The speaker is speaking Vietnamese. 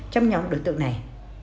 trong nhóm đối tượng này